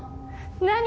何？